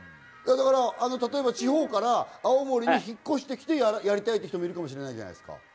例えば地方から青森に引っ越してきてやりたいって人もいるかもしれないじゃないですか？